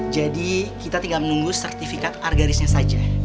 jadi kita tinggal menunggu sertifikat argarisnya saja